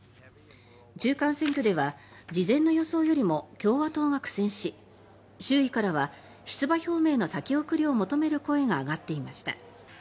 中間選挙では事前の予想よりも共和党が苦戦し周囲からは出馬表明の先送りを求める声が上がっていました。